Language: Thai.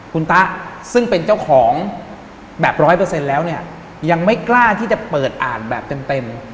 คุณตะซึ่งเป็นเจ้าของแบบร้อยเปอร์เซ็นต์แล้วเนี่ยยังไม่กล้าที่จะเปิดอ่านแบบเต็ม